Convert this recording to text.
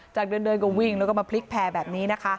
จากเดินก็วิ่งแล้วก็มาพลิกแพร่แบบนี้นะคะ